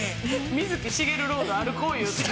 水木しげるロード歩こういうて。